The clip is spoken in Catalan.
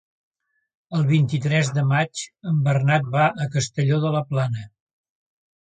El vint-i-tres de maig en Bernat va a Castelló de la Plana.